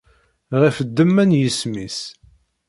Ɣef ddemma n yisem-is.